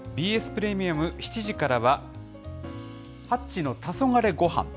ＢＳプレミアム７時からは、８っちのたそがれごはん。